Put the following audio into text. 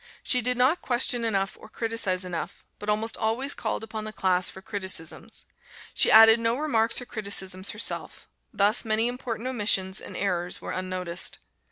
She did not question enough or criticise enough, but almost always called upon the class for criticisms. She added no remarks or criticisms herself; thus many important omissions and errors were unnoticed.